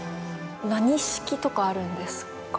何式とかあるんですか？